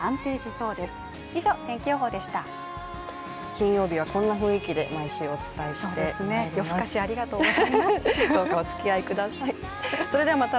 金曜日はこんな雰囲気で毎週、お伝えしてまいります。